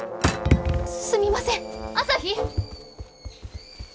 すみません朝陽！